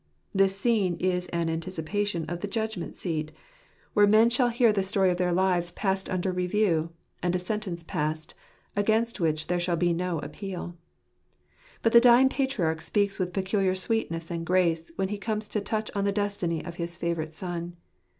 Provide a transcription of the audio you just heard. This scene is an anticipation of the Judgment seat : where f arut u gathered uttia I jta people." i53 men shall hear the story of their lives passed under review ; and a sentence passed, against which there shall be no appeal. But the dying patriarch speaks with peculiar sweetness and grace, when he comes to touch on the destiny of his favourite son.